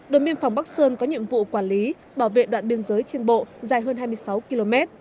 đồn biên phòng bắc sơn có nhiệm vụ quản lý bảo vệ đoạn biên giới trên bộ dài hơn hai mươi sáu km